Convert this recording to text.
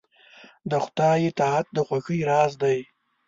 د خدای اطاعت د خوښۍ راز دی.